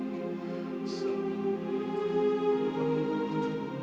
hamba sudah menjadi anak yang durhaka